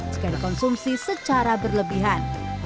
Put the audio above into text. sekarang konsumsi secara berlebihan